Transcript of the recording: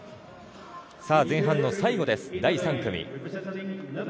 前半の最後です、第３組。